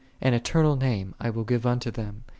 "An eternal name I will give unto them.